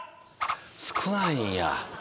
少ないんや。